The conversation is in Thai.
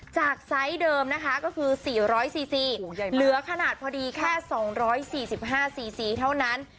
จากไซต์เดิมนะคะก็คือสี่ร้อยซีซีเหลือขนาดพอดีแค่สองร้อยสี่สิบห้าซีซีเท่านั้น